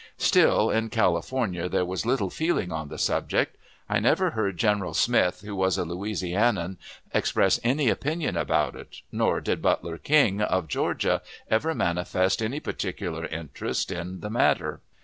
Still, in California there was little feeling on the subject. I never heard General Smith, who was a Louisianian, express any opinion about it. Nor did Butler King, of Georgia, ever manifest any particular interest in the matter.